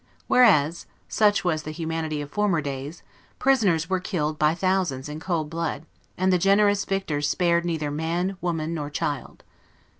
Whereas (such was the humanity of former days) prisoners were killed by thousands in cold blood, and the generous victors spared neither man, woman, nor child.